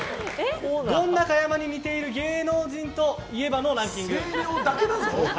ゴン中山に似ている芸能人といえばのランキング。